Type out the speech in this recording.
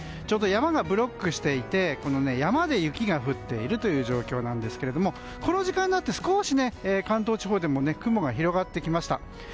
ちょうど山がブロックしていて山で雪が降っているという状況なんですけれどもこの時間になって少し、関東地方でも雲が広がってきました。